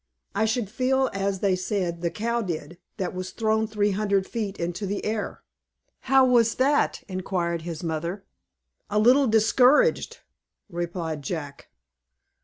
I should feel as they said the cow did, that was thrown three hundred feet into the air." "How was that?" inquired his mother. "A little discouraged," replied Jack.